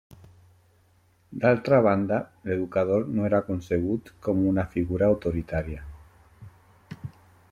D'altra banda, l'educador no era concebut com una figura autoritària.